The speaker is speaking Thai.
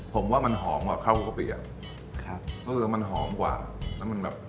ผมว่ามันหอมหวานค่อประเภทครับฮะก็คือมันหอมกว่าแล้วมันแบบ